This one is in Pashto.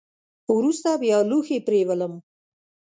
وروسته بیا لوښي پرېولم .